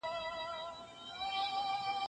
هغې هیڅ تسلي رانه کړه.